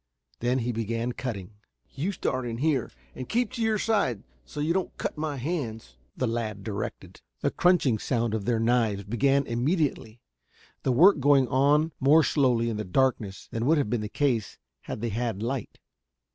Then he began cutting. "You start in here and keep to your side so you don't cut my hands," the lad directed. The crunching sound of their knives began immediately, the work going on more slowly in the darkness than would have been the case had they had light.